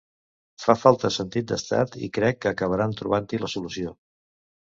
Fa falta sentit d’estat i crec que acabaran trobant-hi la solució.